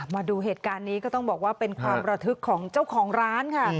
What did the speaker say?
มาดูเหตุการณ์นี้ก็ต้องบอกว่าเป็นความระทึกของเจ้าของร้านค่ะ